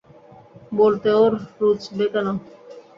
বলতে ওর রুচবে কেন।